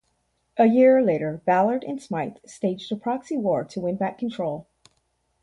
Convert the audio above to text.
A year later, Ballard and Smythe staged a proxy war to win back control.